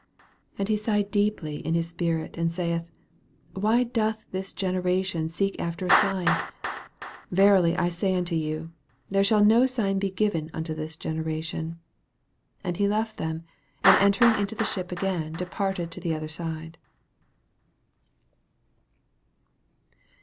12 And he sighed deeply in his spirit, and saith, Why doth this gene ration seek after a sin ? verily I say unto you, There shall no sign be giv en unto this generation. 13 And he left them, and entering into the ship again departed to the other side.